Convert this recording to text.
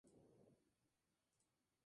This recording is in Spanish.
Datan del Anisiense del Triásico Medio.